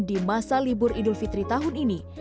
di masa libur idul fitri tahun ini